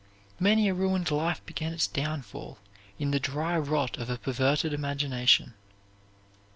Many a ruined life began its downfall in the dry rot of a perverted imagination.